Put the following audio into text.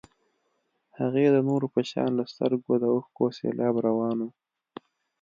هغې د نورو په شان له سترګو د اوښکو سېلاب روان و.